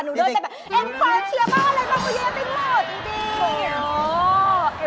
หนูเดินไปแบบเอ็มคอเชีย้มากเลย